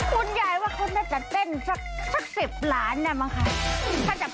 คุณยายว่าเขาจะเต้นสักสิบหลานบาทเนี่ยนะค่ะ